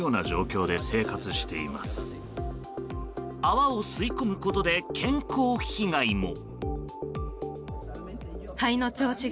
泡を吸い込むことで健康被害も。